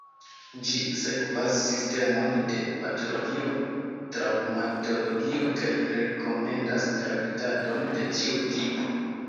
Ĝi sekvas sistemon de patologio-traŭmatologio kaj rekomendas traktadon de ĉiu tipo.